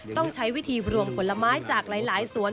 ต้องใช้วิธีรวมผลไม้จากหลายสวน